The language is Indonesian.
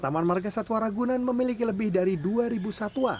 taman marga satwa ragunan memiliki lebih dari dua satwa